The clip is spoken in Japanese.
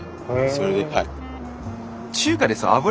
それではい。